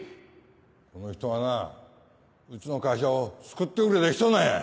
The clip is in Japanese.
この人はなうちの会社を救ってくれた人なんや。